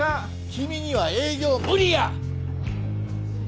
君には営業無理や！